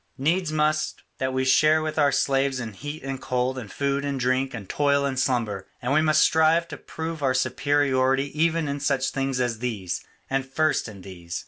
Needs must that we share with our slaves in heat and cold and food and drink and toil and slumber, and we must strive to prove our superiority even in such things as these, and first in these.